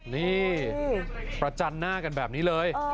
นี่ประจันหน้ากันแบบนี้เลย